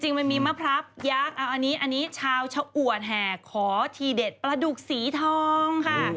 มันมีมะพร้าพยักษ์อันนี้ชาวชะอวดแห่ขอทีเด็ดปลาดุกสีทองค่ะ